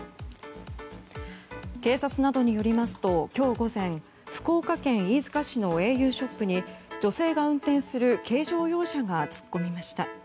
警察などによりますと今日午前福岡県飯塚市のａｕショップに女性が運転する軽乗用車が突っ込みました。